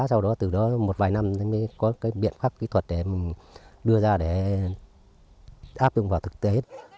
sau đó từ đó một vài năm mới có cái biện pháp kỹ thuật để mình đưa ra để áp dụng vào thực tế